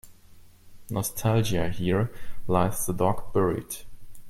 Nostalgia Here lies the dog buried.